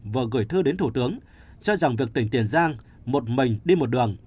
vừa gửi thư đến thủ tướng cho rằng việc tỉnh tiền giang một mình đi một đường